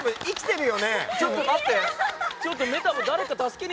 生きてるよね。